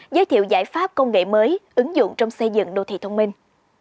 giới thiệu giải pháp công nghệ mới ứng dụng trong xây dựng đô thị thông minh